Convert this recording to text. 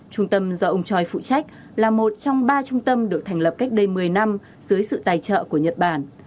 trung tâm do ông choi phụ trách là một trong ba trung tâm được thành lập cách đây một mươi năm dưới sự tài trợ của nhật bản